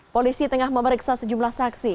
polisi tengah memeriksa sejumlah saksi